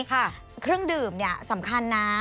เครื่องดื่มเนี่ยสำคัญนะ